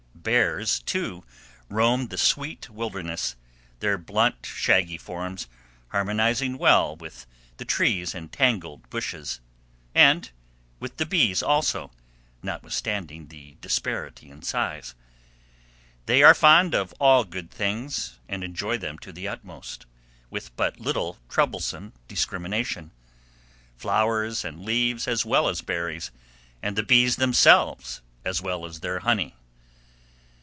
Bears, too, roam the sweet wilderness, their blunt, shaggy forms harmonizing well with the trees and tangled bushes, and with the bees, also, notwithstanding the disparity in size. They are fond of all good things, and enjoy them to the utmost, with but little troublesome discrimination—flowers and leaves as well as berries, and the bees themselves as well as their honey.